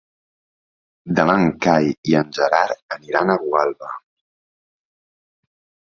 Demà en Cai i en Gerard aniran a Gualba.